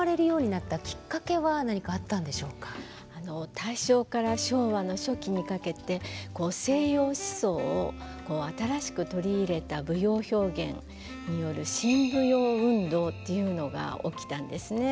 大正から昭和の初期にかけて西洋思想を新しく取り入れた舞踊表現による新舞踊運動というのが起きたんですね。